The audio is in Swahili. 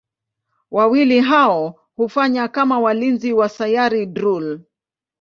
Wawili hao hufanya kama walinzi wa Sayari Drool.